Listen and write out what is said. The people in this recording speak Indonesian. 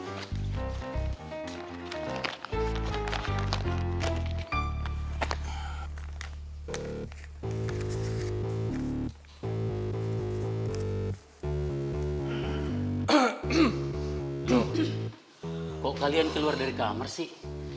kok kalian keluar dari kamar sih